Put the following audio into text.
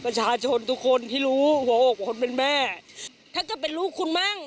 ประชาชนทุกคนที่รู้เป็นแม่จากตัดเป็นลูกคุณมั่ง